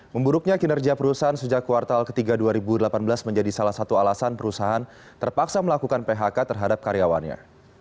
memburuknya kinerja perusahaan sejak kuartal ketiga dua ribu delapan belas menjadi salah satu alasan perusahaan terpaksa melakukan phk terhadap karyawannya